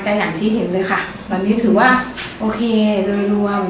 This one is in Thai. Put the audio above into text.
แต่อย่างที่เห็นเลยค่ะตอนนี้ถือว่าโอเคโดยรวม